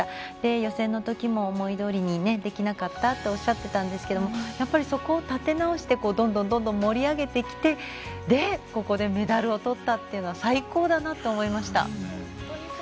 予選のときも思いどおりにできなかったっておっしゃっていたんですけどそこを立て直してどんどん盛り上げてきてここでメダルをとったというのは最高だなと思いました。